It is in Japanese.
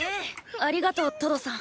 ありがとうトドさん。